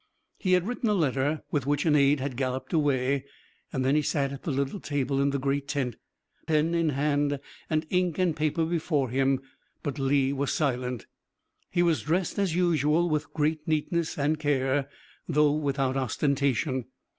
He had written a letter with which an aide had galloped away, and then he sat at the little table in the great tent, pen in hand and ink and paper before him, but Lee was silent. He was dressed as usual with great neatness and care, though without ostentation.